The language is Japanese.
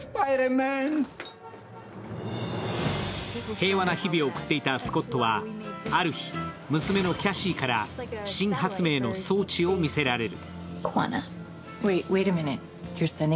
平和な日々を送っていたスコットは、ある日、娘のキャシーから新発明の装置を見せられる。